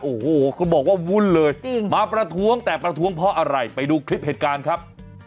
โอ้โหเขาบอกว่าวุ่นเลยจริงมาประท้วงแต่ประท้วงเพราะอะไรไปดูคลิปเหตุการณ์ครับ